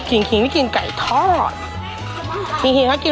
อื้อหื้อหื้อหื้อหื้อ